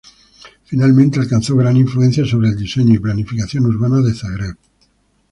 Finalmente alcanzó gran influencia sobre el diseño y planificación urbana de Zagreb.